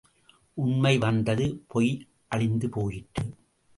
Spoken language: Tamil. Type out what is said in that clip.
உண்மை வந்தது, பொய் அழிந்து போயிற்று.